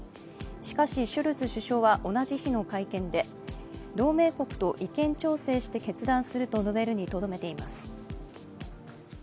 しかしショルツ首相は同じ日の会見で同盟国と意見調整して決断すると述べるにとどめています。